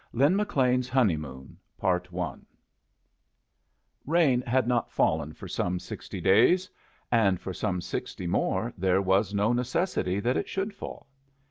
LIN McLEAN'S HONEY MOON Rain had not fallen for some sixty days, and for some sixty more there was no necessity that it should fall.